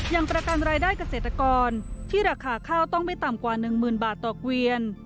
ยังประกันรายได้เกษตรกรที่ราคาข้าวต้องไม่ต่ำกว่า๑๐๐๐บาทต่อเกวียน